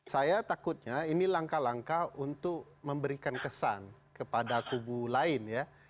saya takutnya ini langkah langkah untuk memberikan kesan kepada kubu lain ya